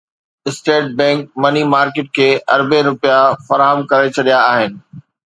state Bank money market کي اربين رپيا فراهم ڪري ڇڏيا آهن